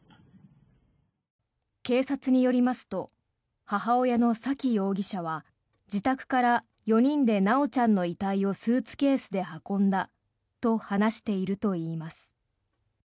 警察によりますと母親の沙喜容疑者は自宅から４人で修ちゃんの遺体をスーツケースで運んだと話しているといいます。